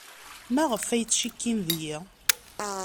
Maɣef ay ttcikkin deg-i?